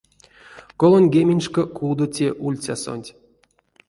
Колоньгеменьшка кудо те ульцясонть.